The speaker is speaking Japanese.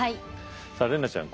さあ怜奈ちゃん